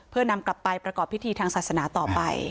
เพื่อนำกลับไปประกอบพิธีทางศาสนาต่อไป